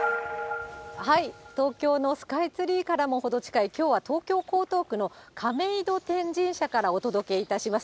東京のスカイツリーからも程近い、きょうは東京・江東区の亀戸天神社からお届けいたします。